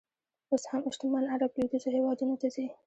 اوس هم شتمن عر ب لویدیځو هېوادونو ته ځي.